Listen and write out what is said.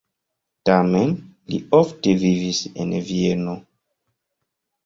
Tamen li ofte vivis en Vieno.